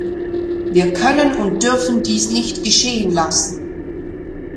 Wir können und dürfen dies nicht geschehen lassen.